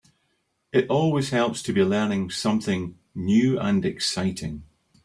It always helps to be learning something new and exciting.